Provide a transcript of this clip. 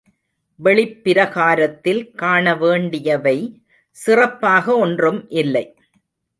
வெளிப்பிரகாரத்தில் காணவேண்டியவை சிறப்பாக ஒன்றும் இல்லை.